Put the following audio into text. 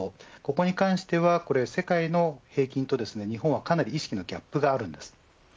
ここに関しては世界の平均と日本は、かなり意識のギャップがあります。